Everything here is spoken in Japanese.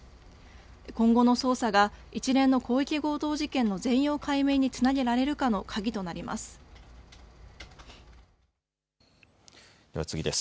今後の捜査が一連の広域強盗事件の全容解明につなげられるかの鍵となります。